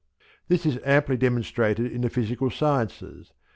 This is amply demonstrated in the physical sciences.